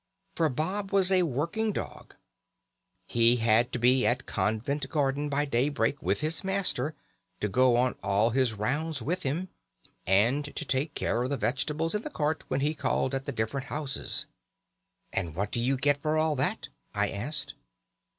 For Bob was a working dog. He had to be at Covent Garden by daybreak with his master, to go on all his rounds with him, and to take care of the vegetables in the cart while he called at the different houses. "'And what do you get for all that?' I asked.